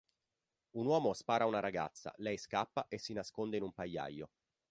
Un uomo spara a una ragazza, lei scappa e si nasconde in un pagliaio.